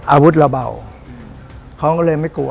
อาวุธเราเบาเขาก็เลยไม่กลัว